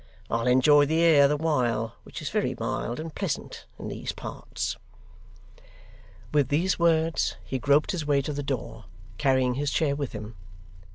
I'll enjoy the air the while, which is very mild and pleasant in these parts.' With these words he groped his way to the door, carrying his chair with him.